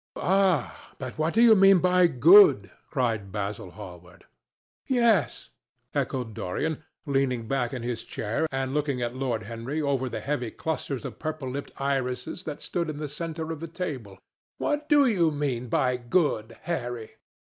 "Ah! but what do you mean by good?" cried Basil Hallward. "Yes," echoed Dorian, leaning back in his chair and looking at Lord Henry over the heavy clusters of purple lipped irises that stood in the centre of the table, "what do you mean by good, Harry?"